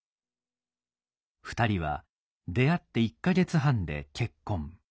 ２人は出会って１か月半で結婚。